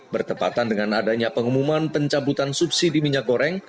bertepatan dengan adanya pengumuman pencabutan subsidi minyak goreng